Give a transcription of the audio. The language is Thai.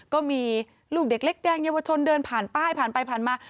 ก็มีลูกเด็กเล็กแดงเยาวชนเดินผ่านป้ายผ่านไปผ่านมา